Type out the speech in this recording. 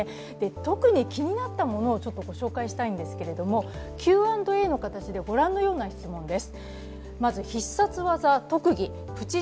特に気になったものをご紹介したいんですけれどもＱ＆Ａの形でご覧のような質問です。